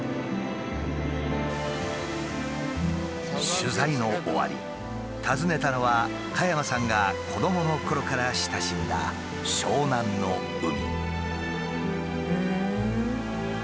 取材の終わり訪ねたのは加山さんが子どものころから親しんだ湘南の海。